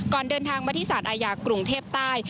เดินทางมาที่สารอาญากรุงเทพใต้